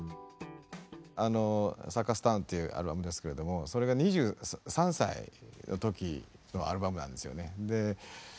「ＣＩＲＣＵＳＴＯＷＮ」っていうアルバムですけれどもそれが２３歳の時のアルバムなんですよね。